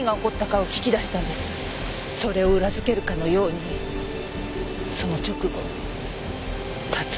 それを裏づけるかのようにその直後竜追